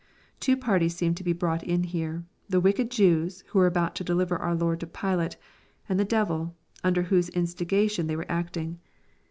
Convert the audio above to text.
] Two parties seem to be brought in here, — the wicked Jews, vho were about to deliver our Lord to Pilate, and the devil, under whose instigation they weire acting.